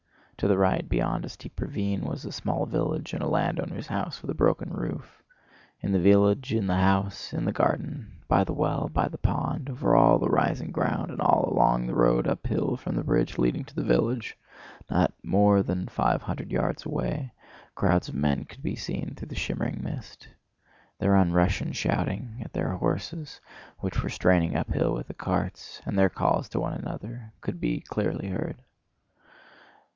To the right, beyond a steep ravine, was a small village and a landowner's house with a broken roof. In the village, in the house, in the garden, by the well, by the pond, over all the rising ground, and all along the road uphill from the bridge leading to the village, not more than five hundred yards away, crowds of men could be seen through the shimmering mist. Their un Russian shouting at their horses which were straining uphill with the carts, and their calls to one another, could be clearly heard.